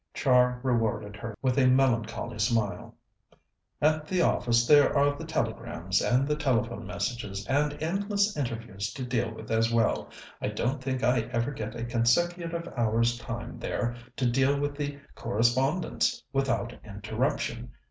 Char rewarded her with a melancholy smile. "At the office there are the telegrams, and the telephone messages, and endless interviews to deal with as well. I don't think I ever get a consecutive hour's time there to deal with the correspondence without interruption.